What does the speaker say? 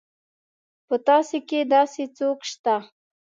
په تاسي کې داسې څوک شته.